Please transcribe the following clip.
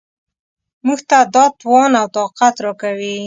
موږ ته دا توان او طاقت راکوي.